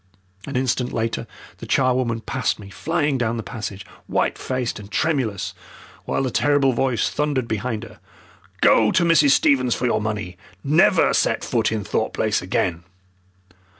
An instant later the charwoman passed me, flying down the passage, white faced and tremulous, while the terrible voice thundered behind her. "Go to Mrs. Stevens for your money! Never set foot in Thorpe Place again!"